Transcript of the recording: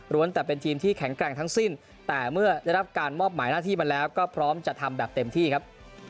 แต่เป็นทีมที่แข็งแกร่งทั้งสิ้นแต่เมื่อได้รับการมอบหมายหน้าที่มาแล้วก็พร้อมจะทำแบบเต็มที่ครับ